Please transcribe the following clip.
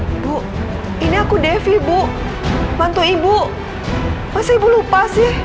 ibu ini aku devi bu mantu ibu pasti ibu lupa sih